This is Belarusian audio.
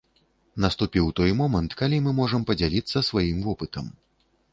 Наступіў той момант, калі мы можам падзяліцца сваім вопытам.